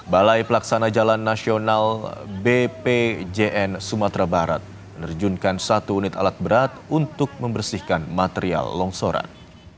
balai pelaksana jalan nasional bpjn sumatera barat menerjunkan satu unit alat berat untuk membersihkan material longsoran